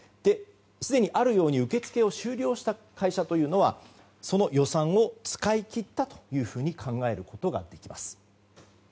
すでにあるように受付を終了した会社というのはその予算を使い切ったと考えることができます。